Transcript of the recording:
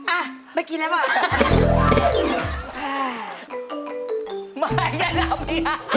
อ่ะไปกินแล้วอ่ะ